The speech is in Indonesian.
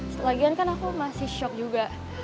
setelah gian kan aku masih shock juga